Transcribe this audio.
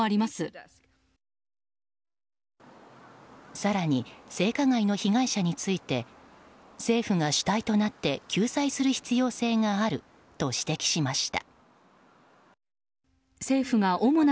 更に、性加害の被害者について政府が主体となって救済する必要性があると指摘しました。